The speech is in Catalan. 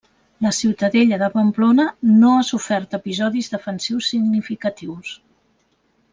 La ciutadella de Pamplona no ha sofert episodis defensius significatius.